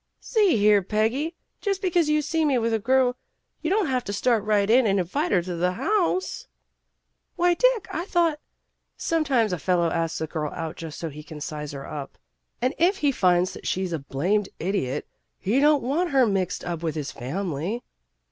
"See here, Peggy, just because you see me with a girl, you don't have to start right in and invite her to the house." "Why, Dick, I thought" THE CURE 229 " Sometimes a fellow asks a girl out just so he can size her up. And if he finds that she's a blamed idiot, he don't want her mixed up with his family.